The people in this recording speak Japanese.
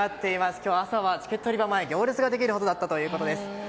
今日朝はチケット売り場前行列ができるほどだったということです。